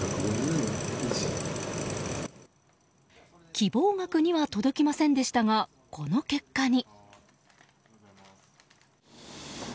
希望額には届きませんでしたがこの結果に。